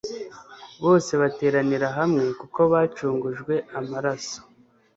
Bose bateranira hamwe kuko bacungujwe amaraso,